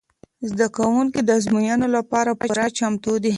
زده کوونکي د ازموینو لپاره پوره چمتو دي.